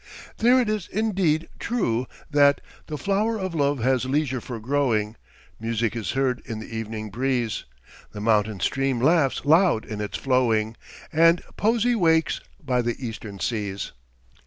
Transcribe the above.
There it is indeed true that "The flower of love has leisure for growing, Music is heard in the evening breeze, The mountain stream laughs loud in its flowing, And poesy wakes by the Eastern Seas."